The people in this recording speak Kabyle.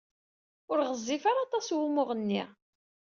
Ur ɣezzif ara aṭas wumuɣ-nni.